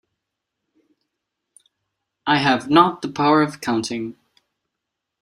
I have not the power of counting.